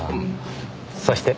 そして？